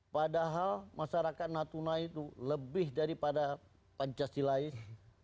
padahal masyarakat natuna itu lebih daripada pancasilais